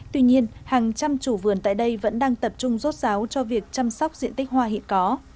tuy nhiên hàng trăm chủ vườn tại đây vẫn đang tập trung rốt ráo cho việc chăm sóc diện tích hoa hiện có